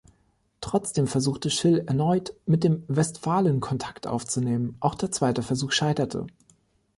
Trotzdem versuchte Schill erneut, mit den Westphalen Kontakt aufzunehmen, auch der zweite Versuch scheiterte.